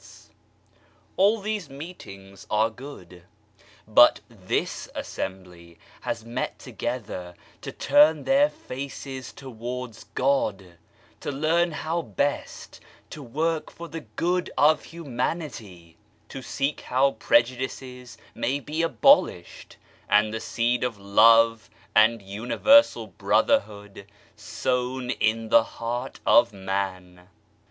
GOD COMPREHENDS ALL 19 All tKese meetings are good : but this assembly has met together to turn their faces towards God, to learn how best to work for the good of humanity, to seek how prejudices may be abolished, and the seed of Love and Universal Brotherhood sown in the heart of man.